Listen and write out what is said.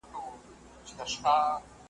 د ژوو ژړا له احساساتو سره تړاو نه لري.